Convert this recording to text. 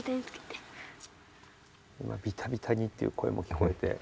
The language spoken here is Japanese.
今「ビタビタに」っていう声も聞こえて。